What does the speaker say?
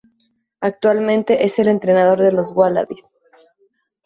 Actualmente es el entrenador de los Wallabies.